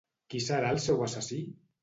Qui serà el seu assassí?